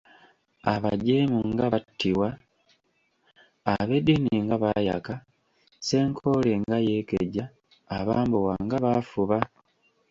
"Abajeemu nga battibwa, ab’eddiini nga baayaka, Ssenkoole nga yeekeja, abambowa nga bafuba!"